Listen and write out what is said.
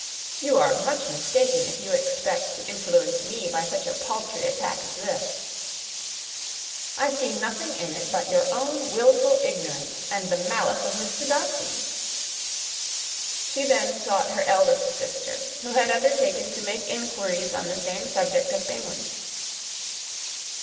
"You are much mistaken if you expect to influence me by such a paltry attack as this. I see nothing in it but your own wilful ignorance and the malice of Mr. Darcy." She then sought her eldest sister, who had undertaken to make inquiries on the same subject of Bingley.